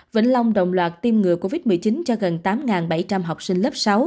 vĩnh long đồng loạt tiêm ngừa covid một mươi chín cho gần tám bảy trăm linh học sinh lớp sáu